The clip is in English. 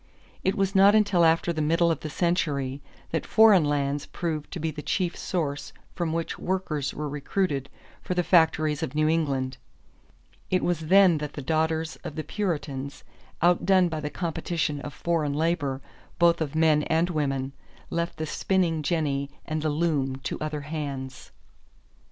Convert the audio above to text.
It was not until after the middle of the century that foreign lands proved to be the chief source from which workers were recruited for the factories of New England. It was then that the daughters of the Puritans, outdone by the competition of foreign labor, both of men and women, left the spinning jenny and the loom to other hands.